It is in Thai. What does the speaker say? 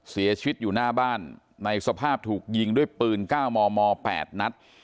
เสียชีวิตอยู่หน้าบ้านในสภาพถูกยิงด้วยปืน๙มม๘นัด